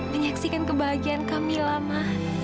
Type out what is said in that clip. menyaksikan kebahagiaan kami lama